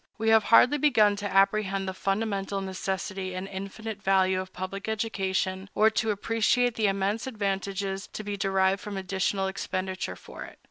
We have hardly begun to apprehend the fundamental necessity and infinite value of public education, or to appreciate the immense advantages to be derived from additional expenditure for it.